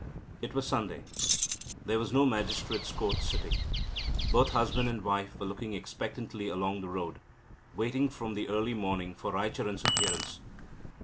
It was Sunday. There was no magistrate's court sitting. Both husband and wife were looking expectantly along the road, waiting from early morning for Raicharan's appearance.